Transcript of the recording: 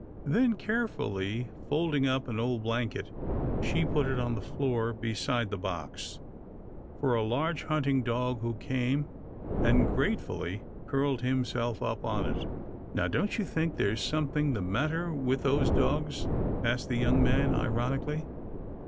Then, carefully folding up an old blanket, she put it on the floor, beside the box, for a large hunting dog who came and grate fully curled himself up on it. " Now don't you think there's something the matter with those dogs ?" asked the young man, ironically.